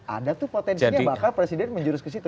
ada tuh potensinya bakal presiden menjurus ke situ